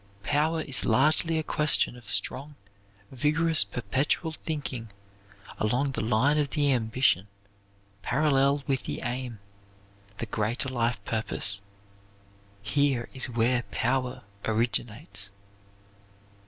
_Power is largely a question of strong, vigorous, perpetual thinking along the line of the ambition, parallel with the aim the great life purpose. Here is where power originates.